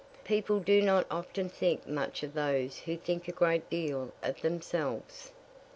People do not often think much of those who think a great deal of themselves.